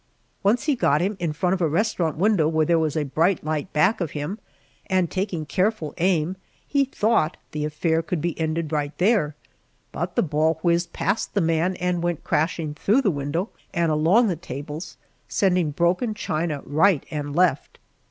Once he got him in front of a restaurant window where there was a bright light back of him, and, taking careful aim, he thought the affair could be ended right there, but the ball whizzed past the man and went crashing through the window and along the tables, sending broken china right and left.